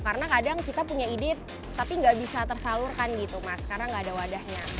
karena kadang kita punya ide tapi nggak bisa tersalurkan gitu mas karena nggak ada wadahnya